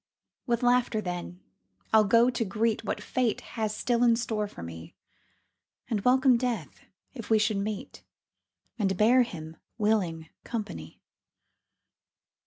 With laughter, then, I'll go to greet What Fate has still in store for me, And welcome Death if we should meet, And bear him willing company.